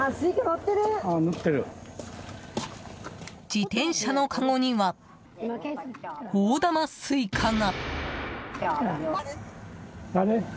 自転車のかごには大玉スイカが。